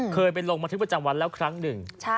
เคยไปไล่ชีวิตลงมาธึความรักวันครั้งหนึ่ง